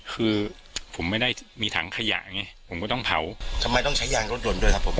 คือผมไม่ได้มีถังขยะไงผมก็ต้องเผาทำไมต้องใช้ยางรถยนต์ด้วยครับผม